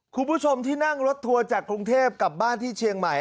คุณผู้ชมที่นั่งรถทัวร์จากกรุงเทพกลับบ้านที่เชียงใหม่